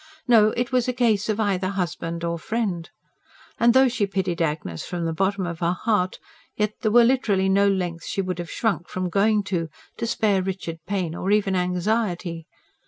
No, it was a case of either husband or friend. And though she pitied Agnes from the bottom of her heart, yet there were literally no lengths she would have shrunk from going to, to spare Richard pain or even anxiety.